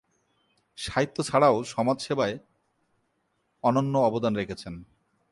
সাহিত্য ছাড়াও সমাজসেবায় অনন্য অবদান রেখেছেন।